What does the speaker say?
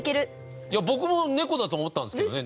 僕もネコだと思ったんですけどね。